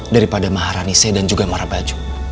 daripada maharanise dan juga marabaju